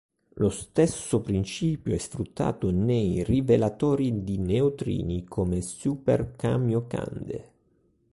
Lo stesso principio è sfruttato nei rivelatori di neutrini come Super-Kamiokande.